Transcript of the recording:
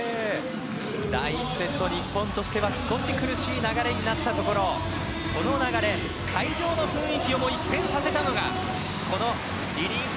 第１セット、日本としては少し苦しい流れになったところその流れ、会場の雰囲気をも一変させたのがリリーフ